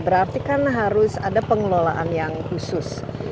berarti kan harus ada pengelolaan yang khusus